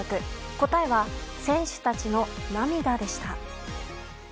答えは選手たちの涙でした。